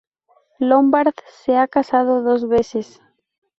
Lombard se ha casado dos veces.